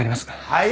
はい！？